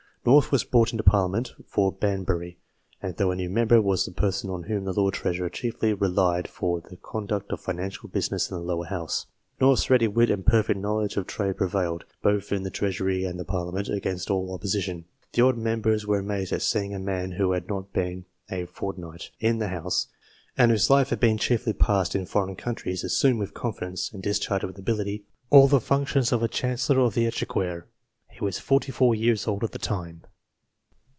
North was brought into Parliament for Banbury ;. and, though a new member, was the person on whom the Lord Treasurer chiefly relied for the conduct of financial business in the Lower House. " North's ready wit and perfect knowledge of trade prevailed, both in the Treasury and the Parliament, against all opposition. The old members were amazed at seeing a man who had not been a fortnight in the House, and whose life had been chiefly passed in foreign countries, assume with confidence, and discharge with ability, all the functions of a Chancellor of the Exchequer." He was forty four years old at the time.